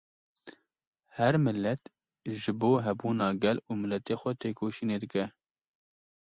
Her milet ji bo hebûna gel û miletê xwe têkoşînê dike